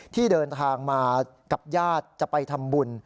ที่เดินทางมากับญาติจะไปทำบุญ